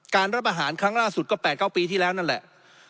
รับประหารครั้งล่าสุดก็๘๙ปีที่แล้วนั่นแหละ